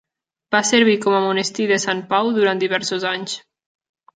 Va servir com a monestir de Sant Pau durant diversos anys.